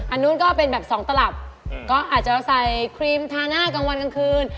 อันนู้นก็เป็นแบบสองตลับก็อาจจะใส่ครีมทาหน้ากลางวันกลางคืน